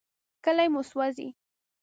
کلي مو سوځي.